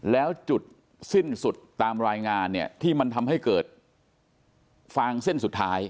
แล้วจุดสิ้นสุดตามรายงานเนี่ยที่มันทำให้เกิดฟางเส้นสุดท้าย